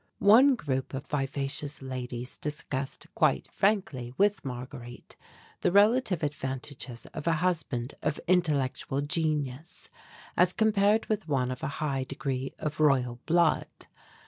One group of vivacious ladies discussed quite frankly with Marguerite the relative advantages of a husband of intellectual genius as compared with one of a high degree of royal blood.